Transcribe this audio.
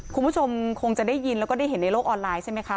คุณผู้ชมคงจะได้ยินแล้วก็ได้เห็นในโลกออนไลน์ใช่ไหมคะ